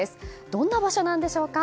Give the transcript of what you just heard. どんな場所なんでしょうか？